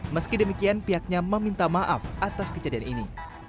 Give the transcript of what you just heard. meski demikian pihaknya meminta maaf atas kejadian ini